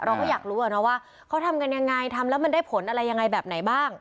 เราก็อยากรู้ว่าเขาทำกันยังไงทำแล้วมันได้ผลอะไรยังไงแบบไหนบ้าง